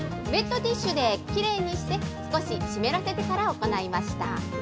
今回はウエットティッシュできれいにして、少し湿らせてから行いました。